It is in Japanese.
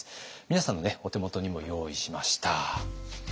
皆さんのお手元にも用意しました。